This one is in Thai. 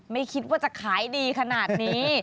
ไม่คิดว่าจะขายดีขนาดนี้